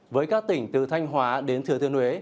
với các tỉnh từ thanh hóa đến thừa thiên huế